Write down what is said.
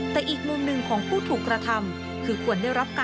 แต่อีกมุมหนึ่งของผู้ถูกกระทำ